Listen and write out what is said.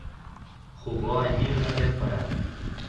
Jugó allí una temporada.